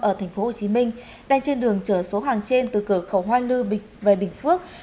ở tp hcm đang trên đường chở số hàng trên từ cửa khẩu hoa lư về bình phước